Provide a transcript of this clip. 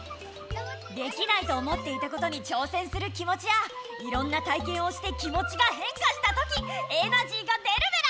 できないと思っていたことにちょうせんする気もちやいろんな体けんをして気もちがへんかしたときエナジーが出るメラ！